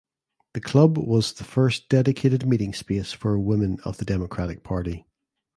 The club was the first dedicated meeting space for women of the Democratic party.